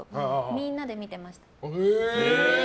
みんなで見てました。